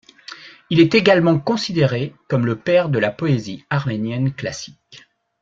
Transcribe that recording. Il est également considéré comme le père de la poésie arménienne classique.